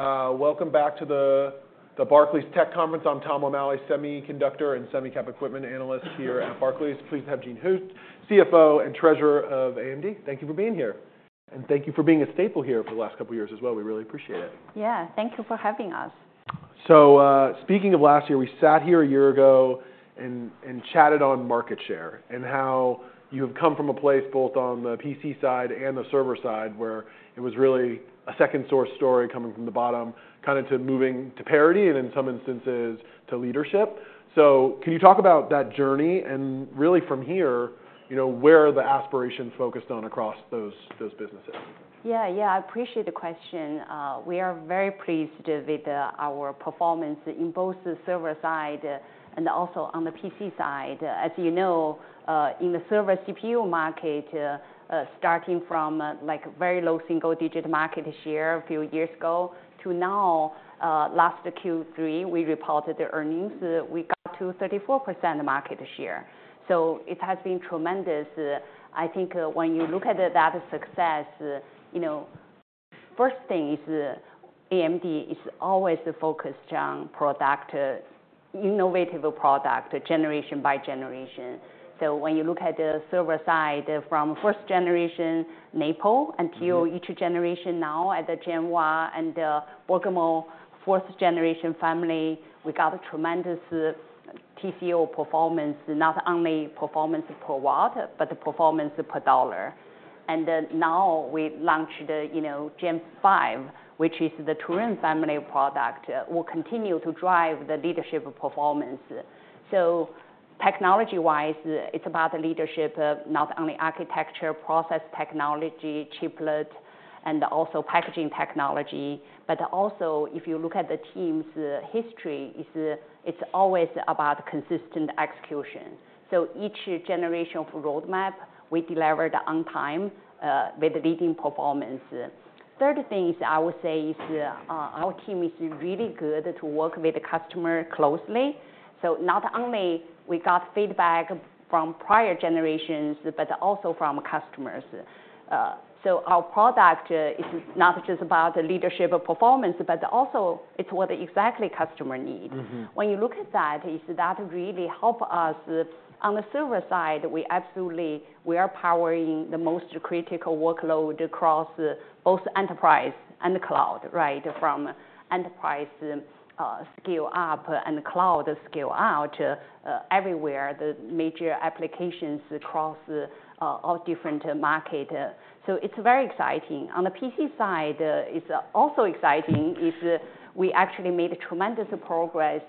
All right. Welcome back to the Barclays Tech Conference. I'm Tom O'Malley, Semiconductor and Semiconductor Equipment Analyst here at Barclays. Pleased to have Jean Hu, CFO and Treasurer of AMD. Thank you for being here, and thank you for being a staple here for the last couple of years as well. We really appreciate it. Yeah, thank you for having us. So speaking of last year, we sat here a year ago and chatted on market share and how you have come from a place both on the PC side and the server side where it was really a second source story coming from the bottom, kind of moving to parity and in some instances to leadership. So can you talk about that journey and really from here, where are the aspirations focused on across those businesses? Yeah, yeah, I appreciate the question. We are very pleased with our performance in both the server side and also on the PC side. As you know, in the server CPU market, starting from a very low single digit market share a few years ago to now, last Q3, we reported the earnings. We got to 34% market share. So it has been tremendous. I think when you look at that success, first thing is AMD is always focused on product, innovative product generation by generation. So when you look at the server side from first generation Naples until each generation now at the Genoa and the Bergamo fourth generation family, we got tremendous TCO performance, not only performance per watt, but performance per dollar. And now we launched Gen 5, which is the Turin family product, will continue to drive the leadership performance. So technology-wise, it's about leadership, not only architecture, process technology, chiplet, and also packaging technology. But also, if you look at the team's history, it's always about consistent execution. So each generation of roadmap, we delivered on time with leading performance. Third thing I would say is our team is really good to work with the customer closely. So not only we got feedback from prior generations, but also from customers. So our product is not just about leadership performance, but also it's what exactly customer needs. When you look at that, is that really help us on the server side, we absolutely are powering the most critical workload across both enterprise and cloud, right, from enterprise scale up and cloud scale out everywhere, the major applications across all different markets. So it's very exciting. On the PC side, it's also exciting if we actually made tremendous progress.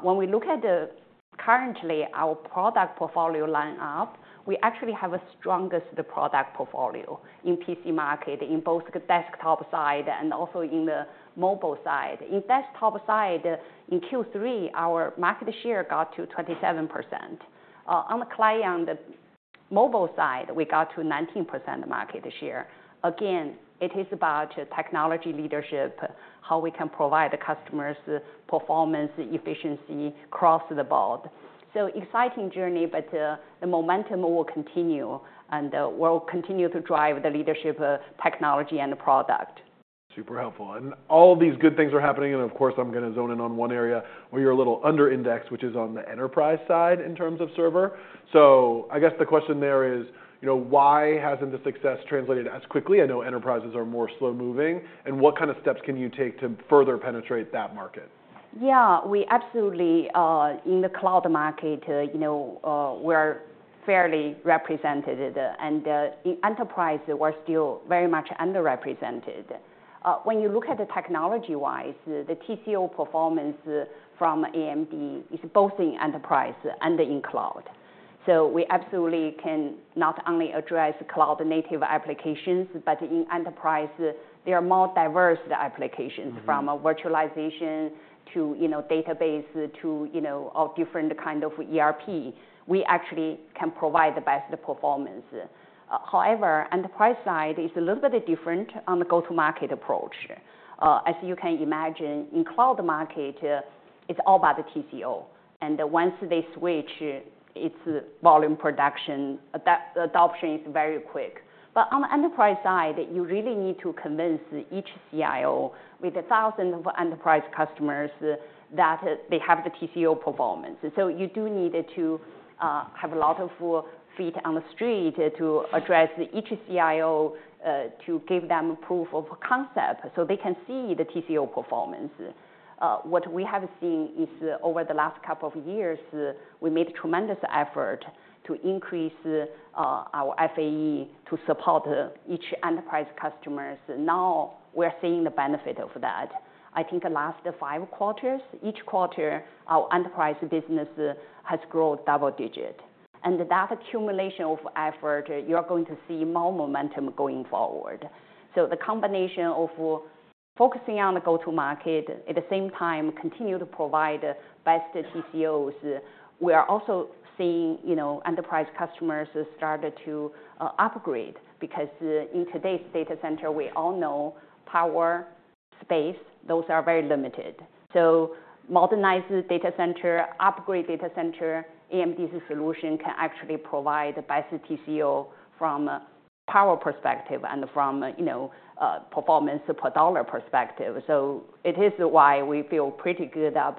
When we look at currently our product portfolio lineup, we actually have the strongest product portfolio in the PC market in both the desktop side and also in the mobile side. In the desktop side, in Q3, our market share got to 27%. On the client mobile side, we got to 19% market share. Again, it is about technology leadership, how we can provide customers performance efficiency across the board. So exciting journey, but the momentum will continue and will continue to drive the leadership technology and the product. Super helpful, and all of these good things are happening, and of course, I'm going to zone in on one area where you're a little underindexed, which is on the enterprise side in terms of server, so I guess the question there is, why hasn't the success translated as quickly? I know enterprises are more slow moving, and what kind of steps can you take to further penetrate that market? Yeah, we absolutely in the cloud market, we're fairly represented. And in enterprise, we're still very much underrepresented. When you look at the technology-wise, the TCO performance from AMD is both in enterprise and in cloud. So we absolutely can not only address cloud-native applications, but in enterprise, there are more diverse applications from virtualization to database to all different kind of ERP. We actually can provide the best performance. However, enterprise side is a little bit different on the go-to-market approach. As you can imagine, in cloud market, it's all about the TCO. And once they switch, its volume production adoption is very quick. But on the enterprise side, you really need to convince each CIO with 1,000 enterprise customers that they have the TCO performance. So, you do need to have a lot of feet on the street to address each CIO to give them proof of concept so they can see the TCO performance. What we have seen is over the last couple of years, we made a tremendous effort to increase our FAE to support each enterprise customers. Now we're seeing the benefit of that. I think the last five quarters, each quarter, our enterprise business has grown double-digit. And that accumulation of effort, you're going to see more momentum going forward. So the combination of focusing on the go-to-market, at the same time, continue to provide best TCOs, we are also seeing enterprise customers start to upgrade because in today's data center, we all know power, space, those are very limited. So, modernize data center, upgrade data center. AMD's solution can actually provide the best TCO from a power perspective and from performance per dollar perspective. So, it is why we feel pretty good about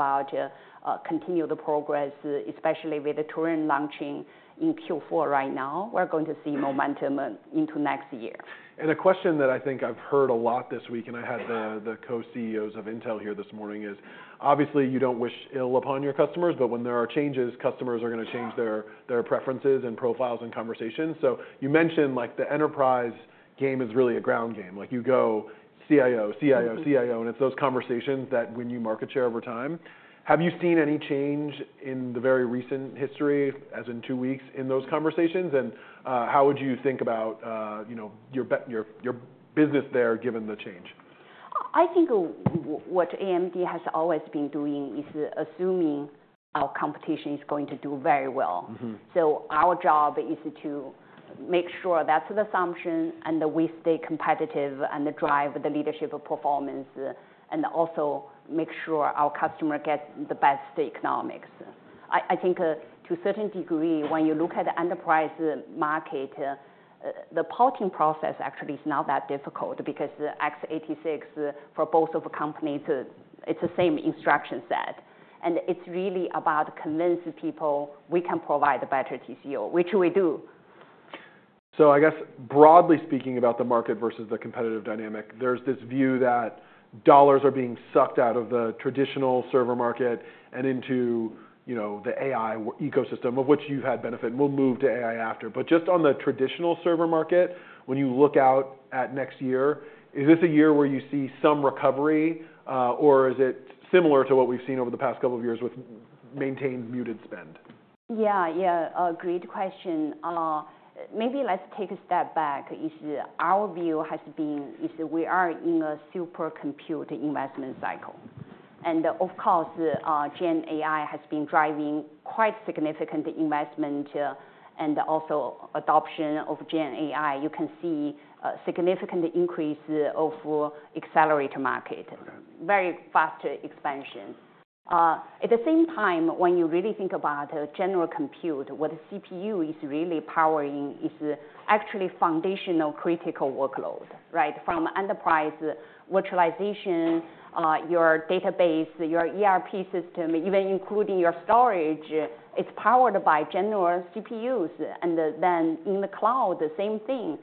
continued progress, especially with the Turin launching in Q4 right now. We're going to see momentum into next year. A question that I think I've heard a lot this week, and I had the co-CEOs of Intel here this morning, is, obviously, you don't wish ill upon your customers. But when there are changes, customers are going to change their preferences and profiles and conversations. You mentioned the enterprise game is really a ground game. You go CIO, CIO, CIO, and it's those conversations that win you market share over time. Have you seen any change in the very recent history, as in two weeks, in those conversations? How would you think about your business there given the change? I think what AMD has always been doing is assuming our competition is going to do very well. So our job is to make sure that's the assumption and that we stay competitive and drive the leadership performance and also make sure our customer gets the best economics. I think to a certain degree, when you look at the enterprise market, the porting process actually is not that difficult because x86 for both of the companies, it's the same instruction set, and it's really about convincing people we can provide a better TCO, which we do. So, I guess, broadly speaking, about the market versus the competitive dynamic, there's this view that dollars are being sucked out of the traditional server market and into the AI ecosystem of which you've had benefit. We'll move to AI after. But just on the traditional server market, when you look out at next year, is this a year where you see some recovery or is it similar to what we've seen over the past couple of years with maintained muted spend? Yeah, yeah, great question. Maybe let's take a step back. Our view has been we are in a super compute investment cycle, and of course, Gen AI has been driving quite significant investment and also adoption of Gen AI. You can see a significant increase of accelerator market, very fast expansion. At the same time, when you really think about general compute, what CPU is really powering is actually foundational critical workload, right? From enterprise virtualization, your database, your ERP system, even including your storage, it's powered by general CPUs, and then in the cloud, the same thing.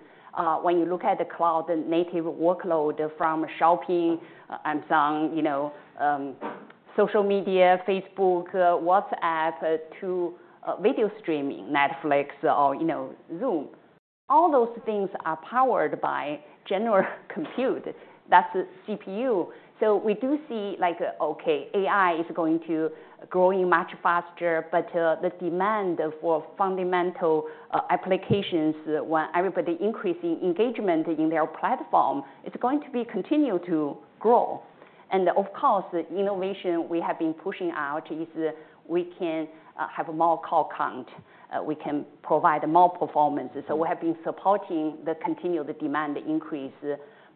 When you look at the cloud native workload from Shopee, Amazon, social media, Facebook, WhatsApp to video streaming, Netflix or Zoom, all those things are powered by general compute. That's CPU. So we do see like, OK, AI is going to grow much faster, but the demand for fundamental applications when everybody increasing engagement in their platform is going to continue to grow. And of course, the innovation we have been pushing out is we can have more core count. We can provide more performance. So we have been supporting the continued demand increase.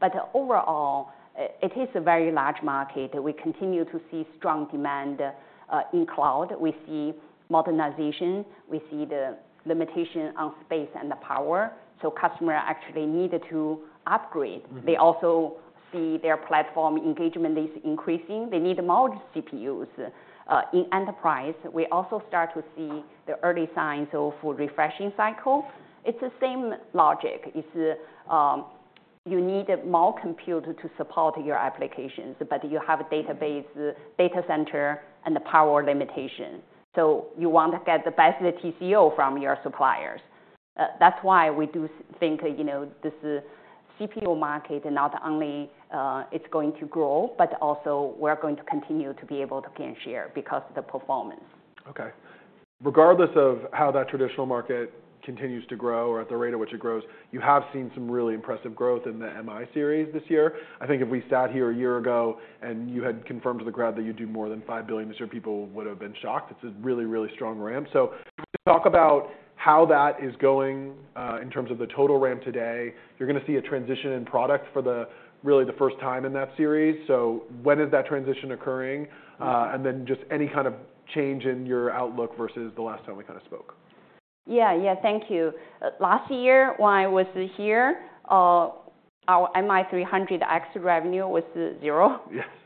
But overall, it is a very large market. We continue to see strong demand in cloud. We see modernization. We see the limitation on space and the power. So customers actually need to upgrade. They also see their platform engagement is increasing. They need more CPUs. In enterprise, we also start to see the early signs of refresh cycle. It's the same logic. You need more compute to support your applications, but you have a database, data center, and the power limitation. So you want to get the best TCO from your suppliers. That's why we do think this CPU market not only is going to grow, but also we're going to continue to be able to gain share because of the performance. OK. Regardless of how that traditional market continues to grow or at the rate at which it grows, you have seen some really impressive growth in the MI series this year. I think if we sat here a year ago and you had confirmed to the crowd that you'd do more than $5 billion, people would have been shocked. It's a really, really strong ramp, so can we talk about how that is going in terms of the total ramp today? You're going to see a transition in product for really the first time in that series, so when is that transition occurring? And then just any kind of change in your outlook versus the last time we kind of spoke? Yeah, yeah, thank you. Last year when I was here, our MI300X revenue was zero.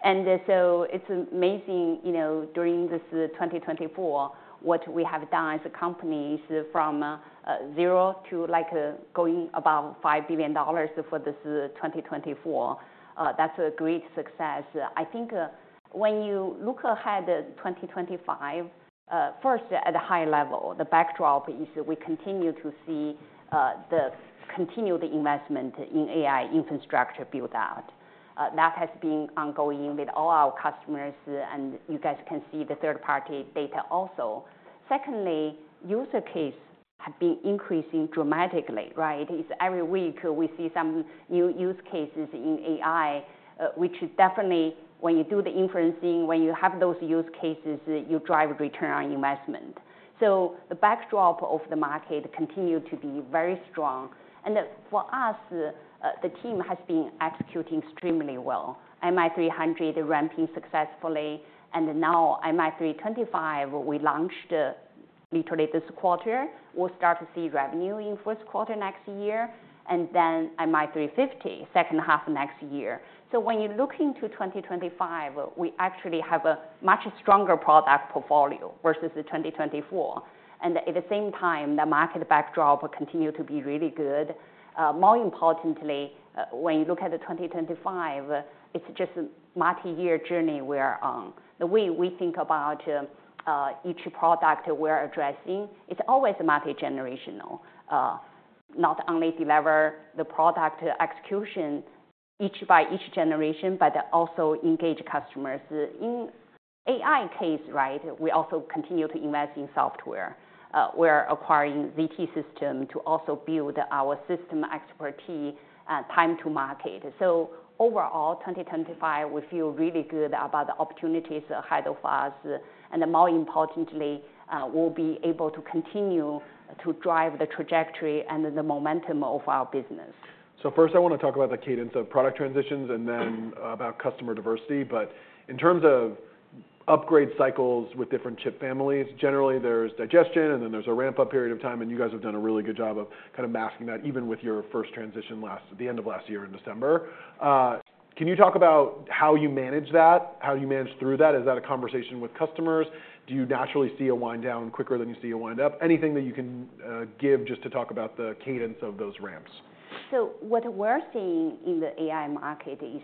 And so it's amazing during this 2024, what we have done as a company is from zero to going above $5 billion for this 2024. That's a great success. I think when you look ahead to 2025, first at a high level, the backdrop is we continue to see the continued investment in AI infrastructure built out. That has been ongoing with all our customers. And you guys can see the third-party data also. Secondly, use cases have been increasing dramatically, right? Every week we see some new use cases in AI, which definitely when you do the inferencing, when you have those use cases, you drive return on investment. So the backdrop of the market continues to be very strong. And for us, the team has been executing extremely well. MI300 ramping successfully. And now MI325, we launched literally this quarter. We'll start to see revenue in Q1 next year. And then MI350, second half next year. So when you look into 2025, we actually have a much stronger product portfolio versus 2024. And at the same time, the market backdrop continues to be really good. More importantly, when you look at 2025, it's just multi-year journey we are on. The way we think about each product we're addressing is always multi-generational, not only deliver the product execution by each generation, but also engage customers. In AI case, right, we also continue to invest in software. We're acquiring ZT Systems to also build our system expertise time to market. So overall, 2025, we feel really good about the opportunities ahead of us. And more importantly, we'll be able to continue to drive the trajectory and the momentum of our business. So first, I want to talk about the cadence of product transitions and then about customer diversity. But in terms of upgrade cycles with different chip families, generally there's digestion, and then there's a ramp-up period of time. And you guys have done a really good job of kind of masking that even with your first transition last at the end of last year in December. Can you talk about how you manage that, how you manage through that? Is that a conversation with customers? Do you naturally see a wind down quicker than you see a wind up? Anything that you can give just to talk about the cadence of those ramps? So what we're seeing in the AI market is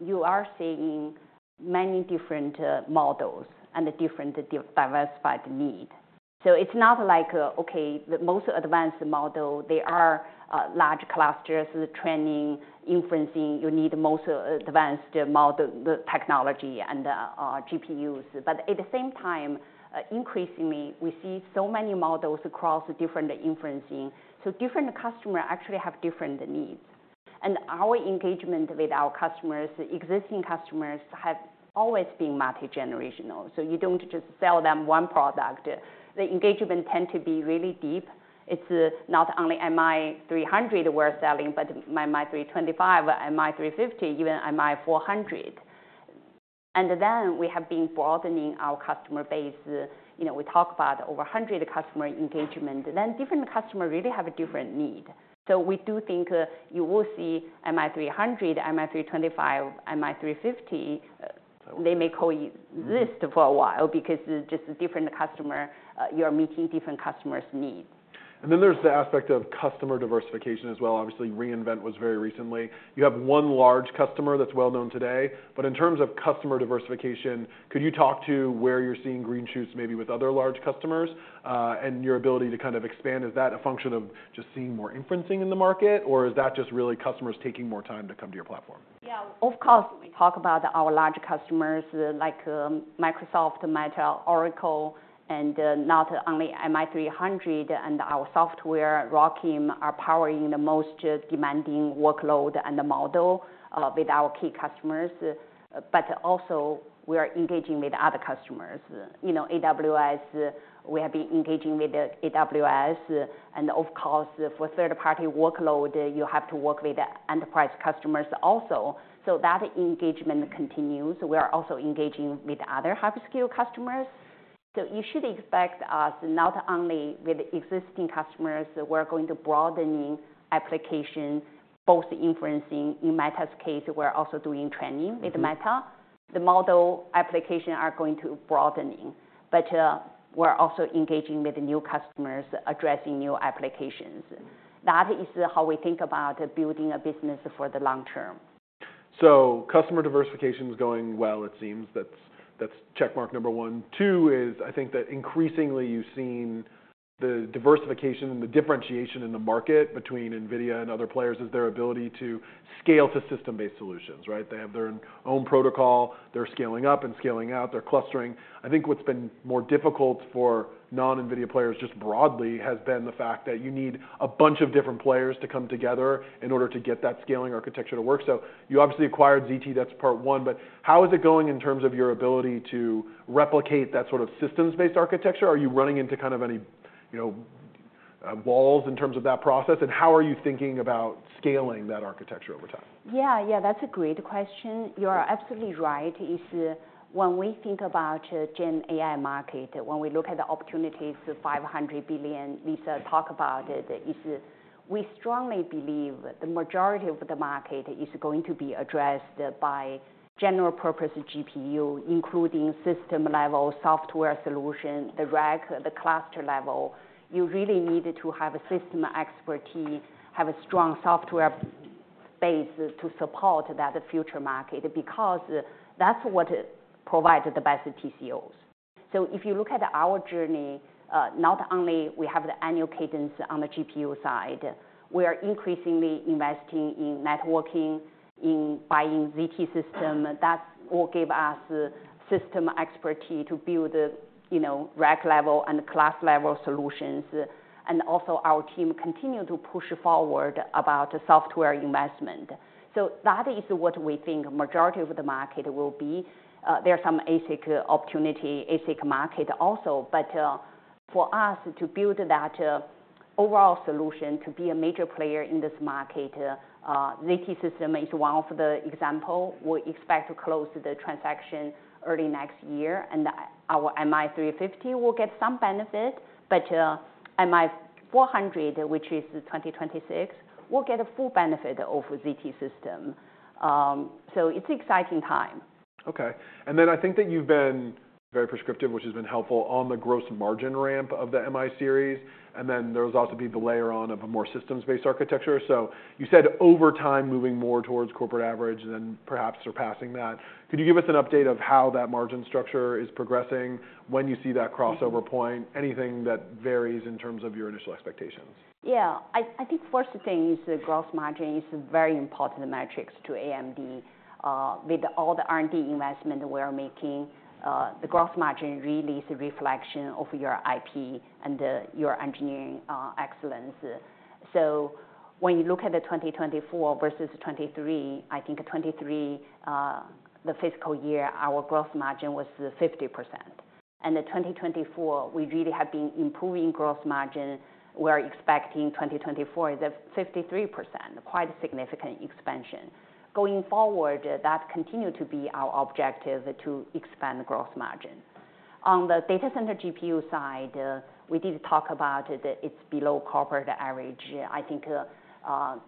you are seeing many different models and different diversified needs. So it's not like, OK, the most advanced model, they are large clusters, training, inferencing. You need the most advanced model, the technology and GPUs. But at the same time, increasingly, we see so many models across different inferencing. So different customers actually have different needs. And our engagement with our customers, existing customers, have always been multi-generational. So you don't just sell them one product. The engagement tends to be really deep. It's not only MI300 we're selling, but MI325, MI350, even MI400. And then we have been broadening our customer base. We talk about over 100 customer engagement. Then different customers really have a different need. So we do think you will see MI300, MI325, MI350. They may coexist for a while because just different customers. You're meeting different customers' needs. And then there's the aspect of customer diversification as well. Obviously, re:Invent was very recently. You have one large customer that's well known today. But in terms of customer diversification, could you talk to where you're seeing green shoots maybe with other large customers and your ability to kind of expand? Is that a function of just seeing more inferencing in the market, or is that just really customers taking more time to come to your platform? Yeah, of course, we talk about our large customers like Microsoft, Meta, Oracle, and not only MI300 and our software, ROCm, are powering the most demanding workload and the model with our key customers. But also, we are engaging with other customers. AWS, we have been engaging with AWS. And of course, for third-party workload, you have to work with enterprise customers also. So that engagement continues. We are also engaging with other hyperscale customers. So you should expect us not only with existing customers. We're going to broaden application, both inferencing. In Meta's case, we're also doing training with Meta. The model applications are going to broadening. But we're also engaging with new customers, addressing new applications. That is how we think about building a business for the long term. Customer diversification is going well, it seems. That's checkmark number one. Two is, I think that increasingly you've seen the diversification and the differentiation in the market between NVIDIA and other players is their ability to scale to system-based solutions, right? They have their own protocol. They're scaling up and scaling out. They're clustering. I think what's been more difficult for non-NVIDIA players just broadly has been the fact that you need a bunch of different players to come together in order to get that scaling architecture to work. So you obviously acquired ZT. That's part one. But how is it going in terms of your ability to replicate that sort of systems-based architecture? Are you running into kind of any walls in terms of that process? And how are you thinking about scaling that architecture over time? Yeah, yeah, that's a great question. You are absolutely right. When we think about Gen AI market, when we look at the opportunities, $500 billion, we talk about it, we strongly believe the majority of the market is going to be addressed by general-purpose GPU, including system-level software solution, the rack, the cluster level. You really need to have a system expertise, have a strong software base to support that future market because that's what provides the best TCOs. If you look at our journey, not only do we have the annual cadence on the GPU side, we are increasingly investing in networking, in buying ZT Systems. That will give us system expertise to build rack-level and cluster-level solutions. And also our team continues to push forward about software investment. That is what we think the majority of the market will be. There are some ASIC opportunities, ASIC market also, but for us to build that overall solution to be a major player in this market, ZT Systems is one of the examples. We expect to close the transaction early next year, and our MI350 will get some benefit, but MI400, which is 2026, will get a full benefit of ZT Systems, so it's an exciting time. OK, and then I think that you've been very prescriptive, which has been helpful on the gross margin ramp of the MI series. And then there's also to be the layer on of a more systems-based architecture, so you said over time moving more towards corporate average and then perhaps surpassing that. Could you give us an update of how that margin structure is progressing, when you see that crossover point? Anything that varies in terms of your initial expectations? Yeah, I think first thing is the gross margin is a very important metric to AMD. With all the R&D investment we are making, the gross margin really is a reflection of your IP and your engineering excellence. So when you look at the 2024 versus 2023, I think 2023, the fiscal year, our gross margin was 50%. And in 2024, we really have been improving gross margin. We are expecting 2024 is at 53%, quite a significant expansion. Going forward, that continues to be our objective to expand the gross margin. On the data center GPU side, we did talk about it's below corporate average. I think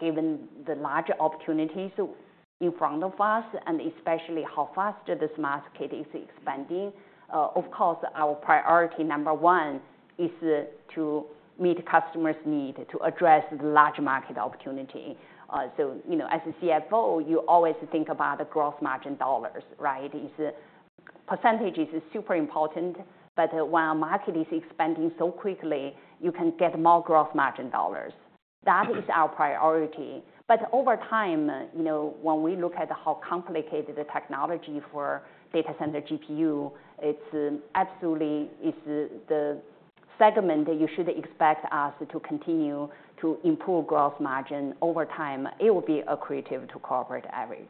given the large opportunities in front of us and especially how fast this market is expanding, of course, our priority number one is to meet customers' need to address the large market opportunity. As a CFO, you always think about the gross margin dollars, right? Percentage is super important. But when a market is expanding so quickly, you can get more gross margin dollars. That is our priority. But over time, when we look at how complicated the technology for data center GPU, it's absolutely the segment that you should expect us to continue to improve gross margin over time. It will be accretive to corporate average.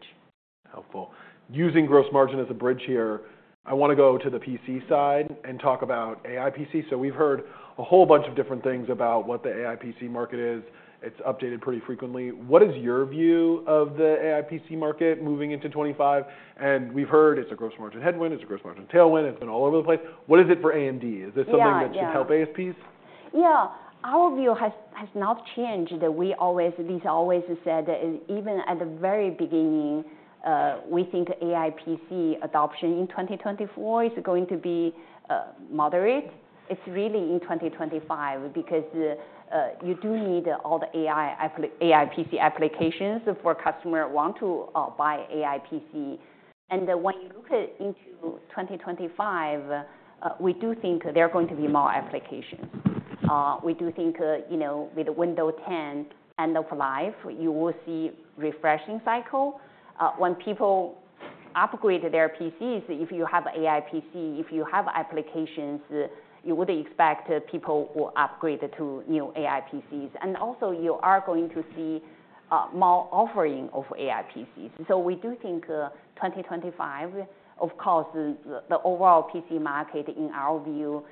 Helpful. Using gross margin as a bridge here, I want to go to the PC side and talk about AI PC. So we've heard a whole bunch of different things about what the AI PC market is. It's updated pretty frequently. What is your view of the AI PC market moving into 2025? And we've heard it's a gross margin headwind. It's a gross margin tailwind. It's been all over the place. What is it for AMD? Is this something that should help ASPs? Yeah, our view has not changed. We always said that even at the very beginning, we think AI PC adoption in 2024 is going to be moderate. It's really in 2025 because you do need all the AI PC applications for customers who want to buy AI PC. And when you look into 2025, we do think there are going to be more applications. We do think with Windows 10 end of life, you will see a refreshing cycle. When people upgrade their PCs, if you have an AI PC, if you have applications, you would expect people will upgrade to new AI PCs. And also, you are going to see more offering of AI PCs. So we do think 2025, of course, the overall PC market in our view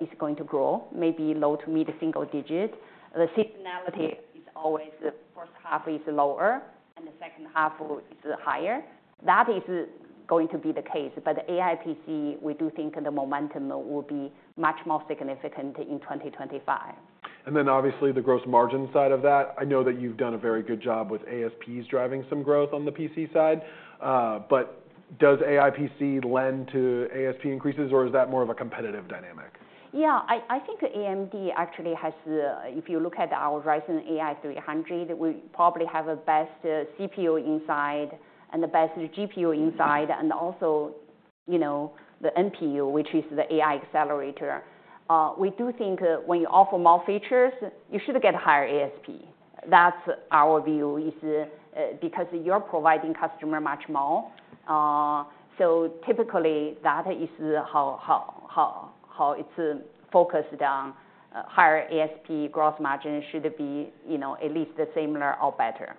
is going to grow, maybe low- to mid-single-digit. The seasonality is always the first half is lower and the second half is higher. That is going to be the case. But AI PC, we do think the momentum will be much more significant in 2025. And then obviously the gross margin side of that. I know that you've done a very good job with ASPs driving some growth on the PC side. But does AI PC lend to ASP increases, or is that more of a competitive dynamic? Yeah, I think AMD actually has, if you look at our Ryzen AI 300, we probably have the best CPU inside and the best GPU inside, and also the NPU, which is the AI accelerator. We do think when you offer more features, you should get higher ASP. That's our view because you're providing customers much more. So typically, that is how it's focused on. Higher ASP gross margin should be at least similar or better.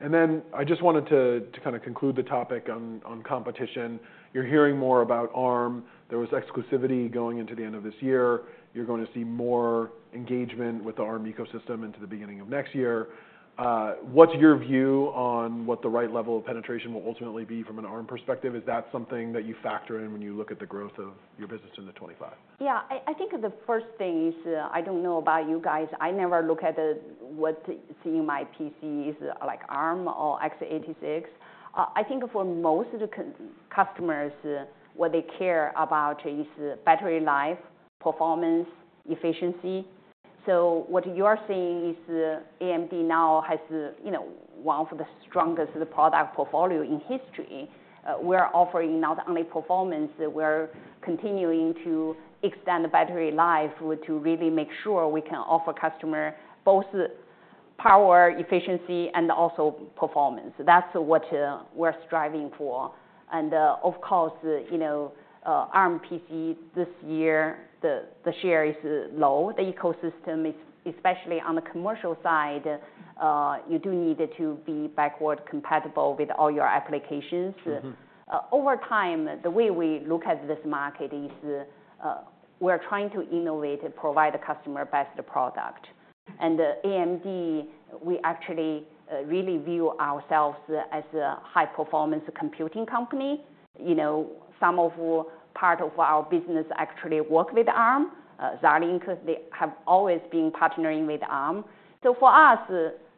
And then I just wanted to kind of conclude the topic on competition. You're hearing more about ARM. There was exclusivity going into the end of this year. You're going to see more engagement with the ARM ecosystem into the beginning of next year. What's your view on what the right level of penetration will ultimately be from an ARM perspective? Is that something that you factor in when you look at the growth of your business in the '2025? Yeah, I think the first thing is I don't know about you guys. I never look at what's in my PC, like ARM or x86. I think for most customers, what they care about is battery life, performance, efficiency. So what you are seeing is AMD now has one of the strongest product portfolios in history. We are offering not only performance. We are continuing to extend battery life to really make sure we can offer customers both power, efficiency, and also performance. That's what we're striving for. And of course, ARM PC this year, the share is low. The ecosystem, especially on the commercial side, you do need to be backward compatible with all your applications. Over time, the way we look at this market is we are trying to innovate and provide a customer-best product. And AMD, we actually really view ourselves as a high-performance computing company. Some part of our business actually works with ARM. Xilinx, they have always been partnering with ARM, so for us,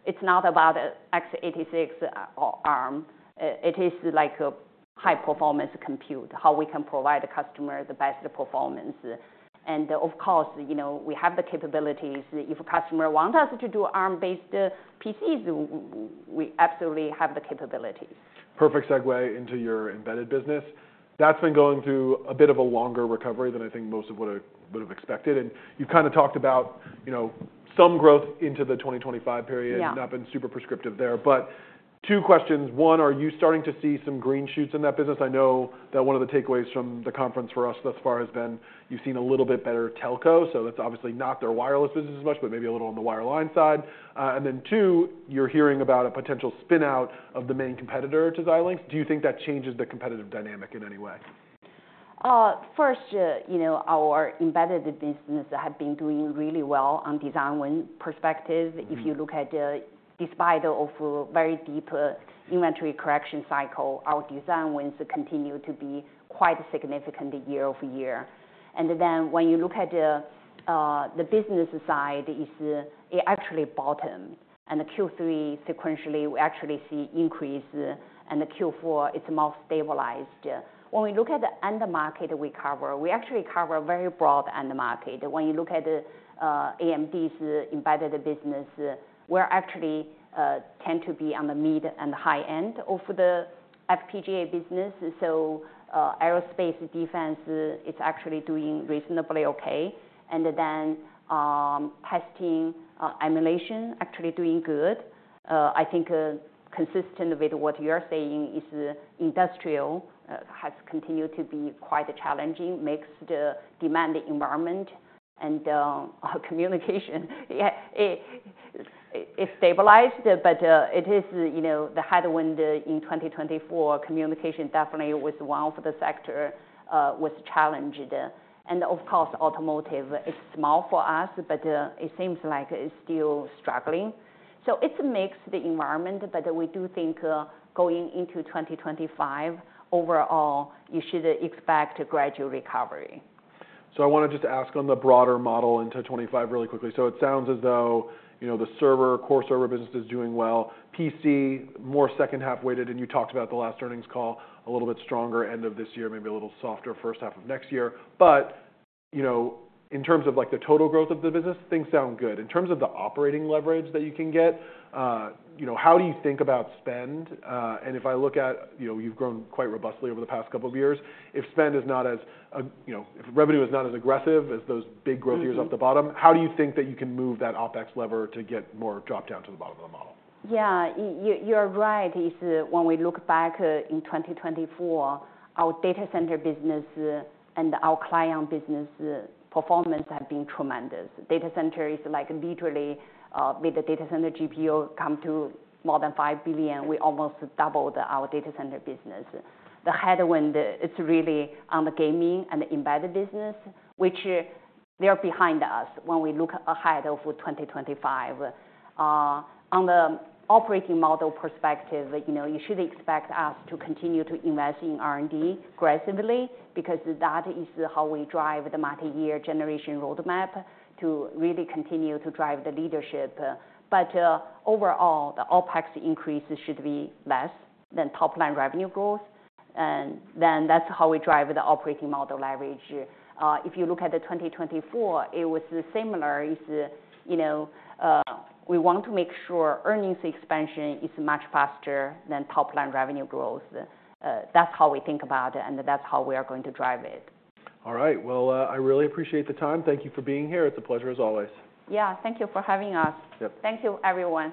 it's not about x86 or ARM. It is like a high-performance compute, how we can provide customers the best performance, and of course, we have the capabilities. If a customer wants us to do ARM-based PCs, we absolutely have the capabilities. Perfect segue into your embedded business. That's been going through a bit of a longer recovery than I think most would have expected. And you've kind of talked about some growth into the 2025 period. You've not been super prescriptive there. But two questions. One, are you starting to see some green shoots in that business? I know that one of the takeaways from the conference for us thus far has been you've seen a little bit better telco. So that's obviously not their wireless business as much, but maybe a little on the wireline side. And then two, you're hearing about a potential spinout of the main competitor to Xilinx. Do you think that changes the competitive dynamic in any way? First, our embedded business has been doing really well from a design win perspective. If you look at it despite a very deep inventory correction cycle, our design wins continue to be quite significant year-over-year. And then when you look at the business side, it actually bottomed. In Q3 sequentially, we actually see increase. In Q4, it's more stabilized. When we look at the end market we cover, we actually cover a very broad end market. When you look at AMD's embedded business, we actually tend to be on the mid and high end of the FPGA business. So aerospace defense is actually doing reasonably OK. And then testing emulation is actually doing good. I think, consistent with what you are saying, industrial has continued to be quite challenging. That makes the demand environment and communication stabilized. But it is the headwind in 2024. Communications definitely was one of the sectors that was challenged. And of course, automotive is small for us, but it seems like it's still struggling. So it's a mixed environment. But we do think going into 2025, overall, you should expect a gradual recovery. I want to just ask on the broader model into 2025 really quickly. So it sounds as though the server, core server business is doing well. PC, more second half weighted. And you talked about the last earnings call, a little bit stronger end of this year, maybe a little softer first half of next year. But in terms of the total growth of the business, things sound good. In terms of the operating leverage that you can get, how do you think about spend? And if I look at you've grown quite robustly over the past couple of years. If spend is not as, if revenue is not as aggressive as those big growth years off the bottom, how do you think that you can move that OPEX lever to get more drop down to the bottom of the model? Yeah, you are right. When we look back in 2024, our data center business and our client business performance have been tremendous. Data center is like literally with the data center GPU come to more than $5 billion. We almost doubled our data center business. The headwind, it's really on the gaming and embedded business, which they are behind us when we look ahead of 2025. On the operating model perspective, you should expect us to continue to invest in R&D aggressively because that is how we drive the multi-year generation roadmap to really continue to drive the leadership. But overall, the OPEX increase should be less than top line revenue growth. And then that's how we drive the operating model leverage. If you look at the 2024, it was similar. We want to make sure earnings expansion is much faster than top line revenue growth. That's how we think about it. And that's how we are going to drive it. All right. Well, I really appreciate the time. Thank you for being here. It's a pleasure as always. Yeah, thank you for having us. Thank you, everyone.